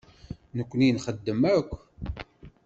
Nekkni nxeddem akk.